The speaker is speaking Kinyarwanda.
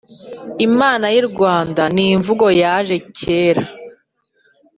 Imana y’irwanda nimvugo yaje kera